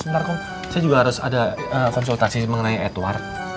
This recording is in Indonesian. sebentar kok saya juga harus ada konsultasi mengenai edward